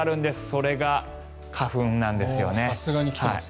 それが花粉なんですよね。